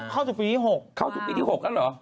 เข้าสุขปีที่๖แล้วเหรอ